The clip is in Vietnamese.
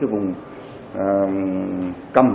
trên vùng cầm của thử thi